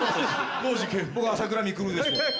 僕朝倉未来です。